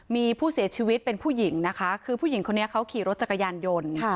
มีผู้เสียชีวิตเป็นผู้หญิงนะคะคือผู้หญิงคนนี้เขาขี่รถจักรยานยนต์